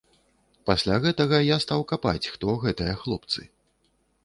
Пасля гэтага я стаў капаць, хто гэтыя хлопцы.